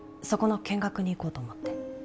そこの見学に行こうと思って